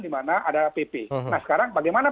di mana ada pp nah sekarang bagaimana